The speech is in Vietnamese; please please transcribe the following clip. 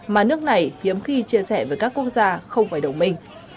mà nước này hiếm khi chia sẻ với các quốc gia không phải đồng minh